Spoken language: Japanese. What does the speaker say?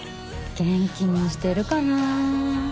元気にしてるかな。